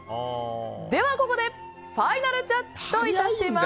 では、ここでファイナルジャッジと致します。